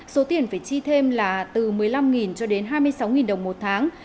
số tiền phải chi thêm là từ một mươi năm cho đến hai mươi sáu đồng một tháng